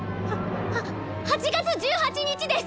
はっ８月１８日です！